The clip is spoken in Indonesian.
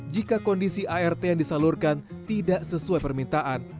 jika kondisi art yang disalurkan tidak sesuai permintaan